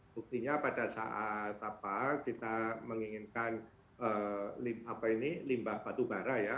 buktinya pada saat kita menginginkan limbah batubara ya